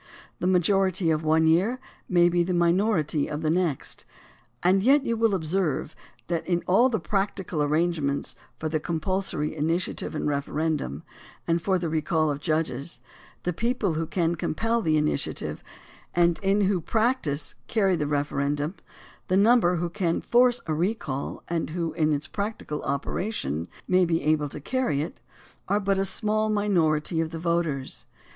The majority of one year may be the minority of the next, and yet you will observe that in all the practical arrangements for the compulsory initiative and referendum and for the recall of judges, the people who can compel the initiative and who in practice carry the referendum, the number who can force a recall and who, in its practical operation, may be able to carry it, are but a small minority of the voters.